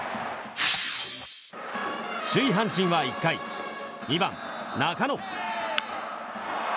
首位、阪神は１回２番、中野。